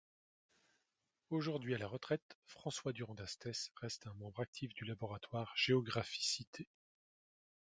Aujourd'hui à la retraite, François Durand-Dastès reste un membre actif du laboratoire Géographie-cités.